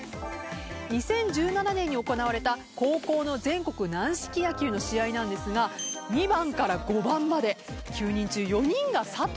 ２０１７年に行われた高校の全国軟式野球の試合なんですが２番から５番まで９人中４人が「佐藤」